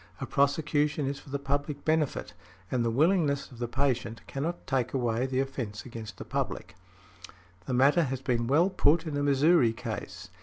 A prosecution is for the public benefit, and the willingness of the patient cannot take away the offence against the public" . The matter has been well put in a Missouri case.